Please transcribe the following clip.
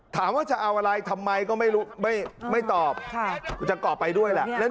ถามว่าจะเอาอะไรทำไมก็ไม่ตอบจะกรอบไปด้วยแหละ